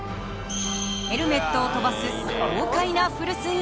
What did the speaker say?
ヘルメットを飛ばす豪快なフルスイング。